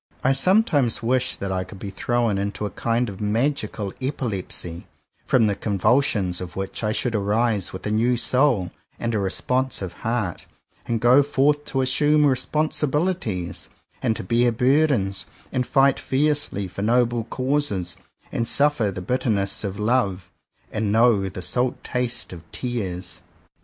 I sometimes wish that I could be thrown into a kind of magical epilepsy, from the convulsions of which I should arise with a new soul and a responsive heart, and go forth to assume responsibilities, and to bear burdens, and fight fiercely for noble causes, and suffer the bitterness of love, and know the salt taste of tears.